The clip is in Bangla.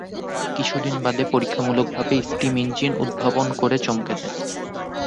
কিছুদিন বাদে পরীক্ষামূলকভাবে স্টিম ইঞ্জিন উদ্ভাবন করে চমকে দেন।